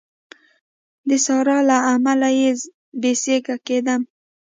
د ساړه له امله زه بې سېکه کېدم